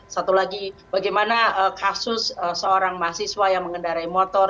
satu lagi bagaimana kasus seorang mahasiswa yang mengendarai motor